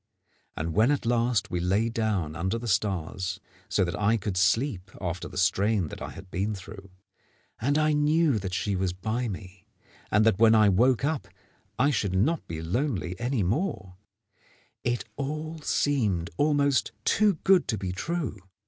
And when at last we lay down under the stars, so that I could sleep after the strain that I had been through, and I knew that she was by me, and that when I woke up I should not be lonely any more, it all seemed almost too good to be true.